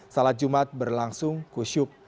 sholat jumat berlangsung kusyuk